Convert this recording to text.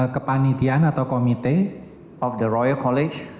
kepanitian atau komite